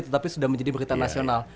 tetapi sudah menjadi berita nasional